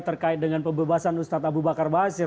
terkait dengan pembebasan ustadz abu bakar basir